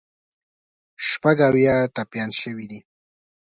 شپږ اویا ټپیان شوي دي.